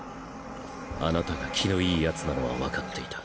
あなたが気の良い奴なのはわかっていた